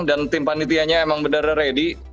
dan tim panitianya memang benar benar ready